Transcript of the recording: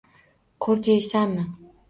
Qurut yeysanmi?